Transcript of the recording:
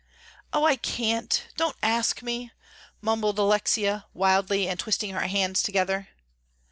"Oh, I can't; don't ask me," mumbled Alexia, wildly, and twisting her hands together.